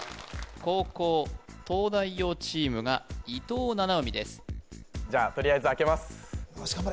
後攻東大王チームが伊藤七海ですじゃあとりあえずあけますよし頑張れ